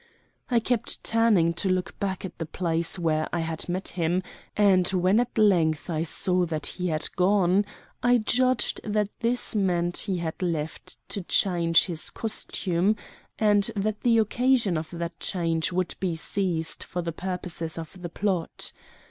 I kept turning to look back at the place where I had met him, and when at length I saw that he had gone I judged that this meant he had left to change his costume, and that the occasion of that change would be seized for the purposes of the plot.